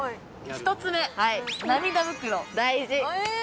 １つ目涙袋大事！